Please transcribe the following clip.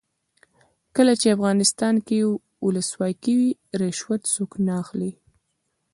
کله چې افغانستان کې ولسواکي وي رشوت څوک نه اخلي.